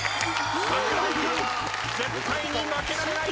櫻井君絶対に負けられない